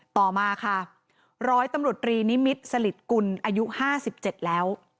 ต่อมาค่ะร้อยตำรวจรีนิมิตรสลิดกุลอายุ๕๗แล้ว